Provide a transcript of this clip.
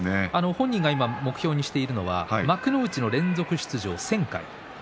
本人が今目標にしているのは幕内の連続出場１０００回。